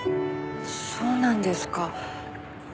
そうなんですか。